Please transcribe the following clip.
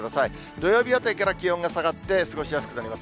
土曜日あたりから気温が下がって、過ごしやすくなります。